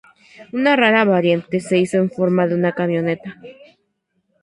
Una rara variante se hizo en forma de una camioneta.